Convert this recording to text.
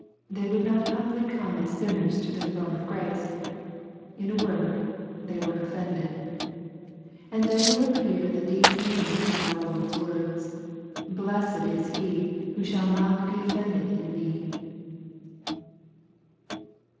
They would not humbly come as sinners to the throne of grace. In a word, they were offended. And then will appear the deep meaning in our Lord's words, " Blessed is he who shall not be offended in me."